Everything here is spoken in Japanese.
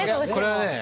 これはね